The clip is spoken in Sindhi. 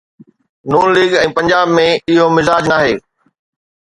ن ليگ ۽ پنجاب ۾ اهو مزاج ناهي.